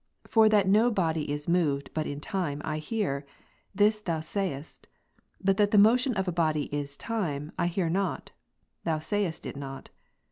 For that no body is moved, but in time, I hear ; this Thou sayest ; but that the motion of a body is time, I hear not ; Thou sayest it not.